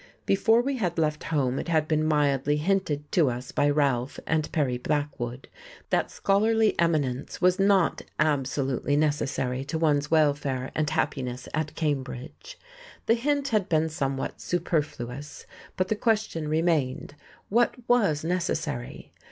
Before we had left home it had been mildly hinted to us by Ralph and Perry Blackwood that scholarly eminence was not absolutely necessary to one's welfare and happiness at Cambridge. The hint had been somewhat superfluous; but the question remained, what was necessary?